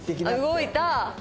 動いた！